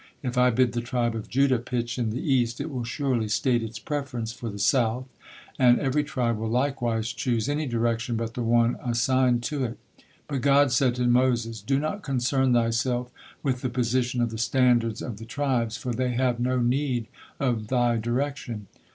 If I bid the tribe of Judah pitch in the East, it will surely state its preference for the South, and every tribe will likewise choose any direction but the one assigned to it." But God said to Moses: "Do not concern thyself with the position of the standards of the tribes, for they have no need of thy direction.